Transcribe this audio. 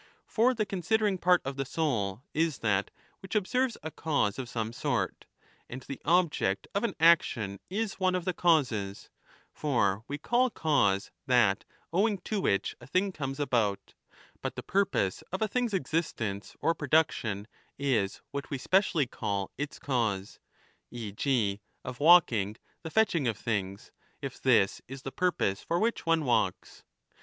For the considering part of the soul is that which observes a cause of some sort ; and the object of an action is one of the causes ; for we call cause that owing to which a thing comes about ; but the purpose of a thing's existence or production is what we specially call its cause, e.g. of walking, the fetching of things, if this is the purpose for which one walks.